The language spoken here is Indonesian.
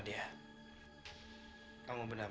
dan mohon kamu beran gateway